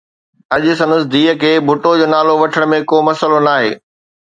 اڄ سندس ڌيءَ کي ڀٽو جو نالو وٺڻ ۾ ڪو مسئلو ناهي